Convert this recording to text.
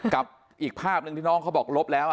กับอีกภาพหนึ่งที่น้องเขาบอกลบแล้ว